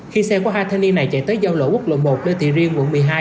khi xe có hai thanh niên này chạy tới giao lộ quốc lộ một lê thị riêng quận một mươi hai